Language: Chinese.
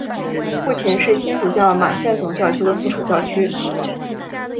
目前是天主教马赛总教区的附属教区。